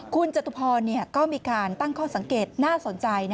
คุณจตุพรก็มีการตั้งข้อสังเกตน่าสนใจ